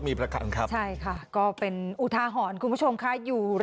รถมีประกันใช่ค่ะก็เป็นอุทาหอนคุณผู้ชมค่ะ